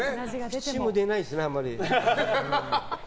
口も出ないですね、あんまり。